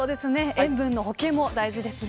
塩分の補給も大事ですね。